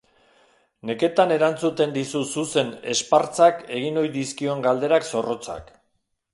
Neketan erantzuten ditu zuzen Espartzak egin ohi dizkion galdera zorrotzak.